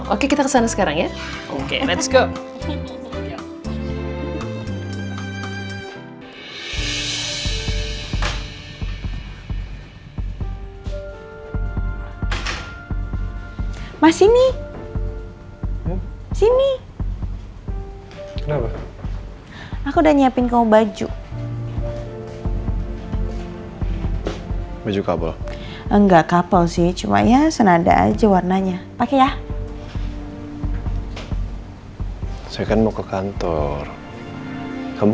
oke that's better good girl oke kita kesana sekarang ya oke let's go